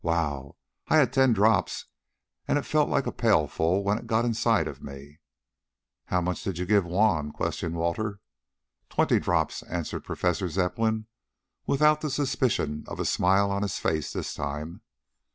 "Wow! I had ten drops and it felt like a pailful when it got inside of me." "How much did you give Juan?" questioned Walter. "Twenty drops," answered Professor Zepplin without the suspicion of a smile on his face this time.